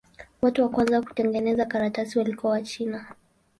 Watu wa kwanza kutengeneza karatasi walikuwa Wachina.